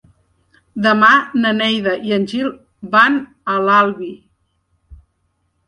Demà na Neida i en Gil van a l'Albi.